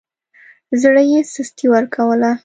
زړه يې سستي ورکوله.